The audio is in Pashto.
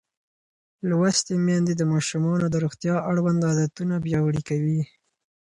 لوستې میندې د ماشومانو د روغتیا اړوند عادتونه پیاوړي کوي.